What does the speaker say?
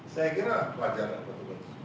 saya kira wajar pak tugas